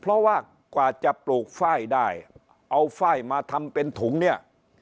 เพราะว่ากว่าจะปลูกไฟล์ได้เอาไฟล์มาทำเป็นถุงเนี่ย